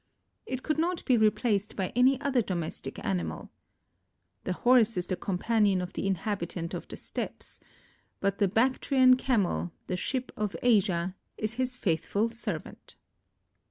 It could not be replaced by any other domestic animal. "The horse is the companion of the inhabitant of the steppes," but the Bactrian Camel, the "Ship of Asia," is his faithful servant.